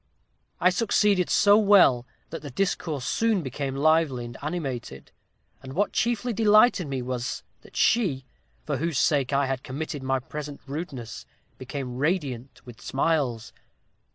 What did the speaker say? I succeeded so well that the discourse soon became lively and animated; and what chiefly delighted me was, that she, for whose sake I had committed my present rudeness, became radiant with smiles.